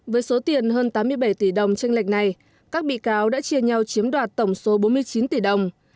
với số tiền hơn tám mươi bảy tỷ đồng tranh lệch này các bị cáo đã chia nhau chiếm đoạt tổng số bốn mươi chín tỷ đồng